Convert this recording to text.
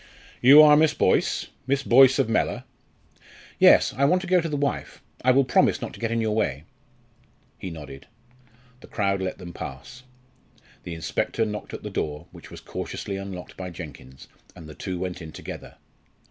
"You are Miss Boyce? Miss Boyce of Mellor?" "Yes, I want to go to the wife; I will promise not to get in your way." He nodded. The crowd let them pass. The inspector knocked at the door, which was cautiously unlocked by Jenkins, and the two went in together.